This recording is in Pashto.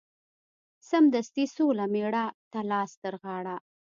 سمدستي سوله مېړه ته لاس ترغاړه